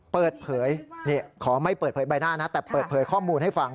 เปิดเผยขอไม่เปิดเผยใบหน้านะแต่เปิดเผยข้อมูลให้ฟัง